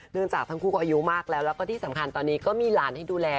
จากทั้งคู่ก็อายุมากแล้วแล้วก็ที่สำคัญตอนนี้ก็มีหลานให้ดูแล